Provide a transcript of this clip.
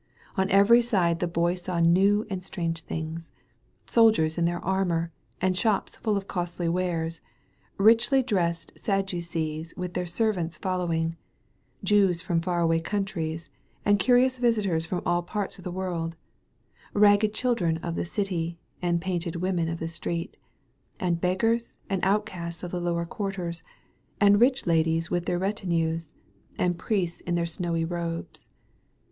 On every side the Boy 270 THE BOY OF NAZARETH DREAMS saw new and strange things: soldiers in their armor, and shops full of costly wares; richly dressed Sad ducees with their servants following; Jews from far away countries^ and curious visitors from all parts of the world; ragged children of the city, and painted women of the street, and beggars and out casts of the lower quarters, and rich ladies with their retinues, and priests in their snowy robes.